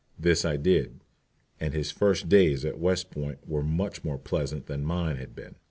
This I did, and his first days at West Point were much more pleasant than mine had been.